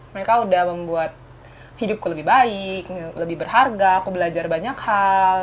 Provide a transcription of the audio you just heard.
mereka udah membuat hidupku lebih baik lebih berharga aku belajar banyak hal